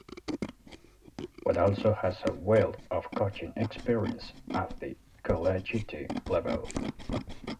Watt also has a wealth of coaching experience at the collegiate level.